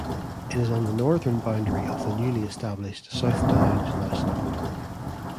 It is on the northern boundary of the newly established South Downs National Park.